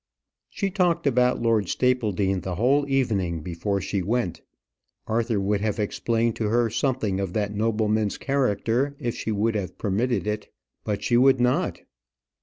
She talked about Lord Stapledean the whole evening before she went. Arthur would have explained to her something of that nobleman's character if she would have permitted it. But she would not.